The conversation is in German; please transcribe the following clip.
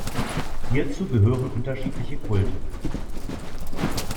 Hierzu gehören unterschiedliche Kulte.